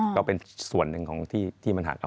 ก็เป็นส่วนหนึ่งของที่มันห่างกัน